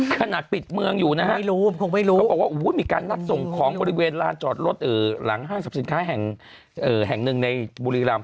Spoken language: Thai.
ขนาดปิดเมืองอยู่นะฮะเขาบอกว่ามีการนัดส่งของบริเวณลานจอดรถหลังห้างสรรพสินค้าแห่งหนึ่งในบุรีรำ